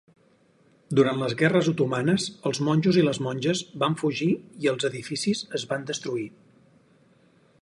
Durant les guerres otomanes, els monjos i les monges van fugir i els edificis es van destruir.